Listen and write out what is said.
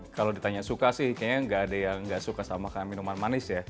kalau ditanya suka sih kayaknya nggak ada yang nggak suka sama makan minuman manis ya